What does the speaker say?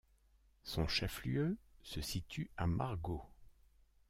Son chef-lieu se situe à Margaux.